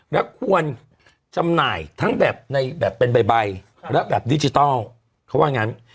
และควรจำหน่ายทั้งแบบในแบบเป็นใบและแบบดิจิทัลเขาว่างั้น